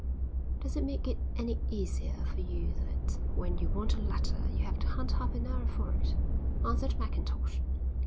"Does it make it any easier for you that when you want a letter you have to hunt half an hour for it?" answered Mackintosh.